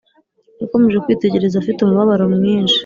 yakomeje kwitegereza afite umubabaro mwinshi